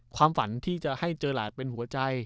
ความฝันที่จะให้เจอหลานเป็นหัวใจ